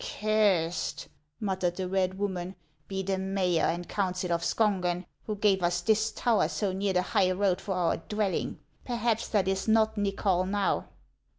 " Cursed," muttered the red woman, " be the mayor and council of Skongen, who gave us this tower so near the high road for our dwelling ! Perhaps that is not Nychol, now."